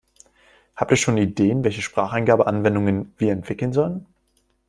Habt ihr schon Ideen, welche Spracheingabe-Anwendungen wir entwickeln sollen?